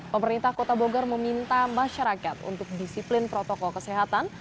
pemerintah kota bogor meminta masyarakat untuk disiplin protokol kesehatan